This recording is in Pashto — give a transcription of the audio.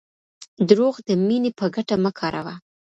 دروغ د مینې په ګټه مه کاروه.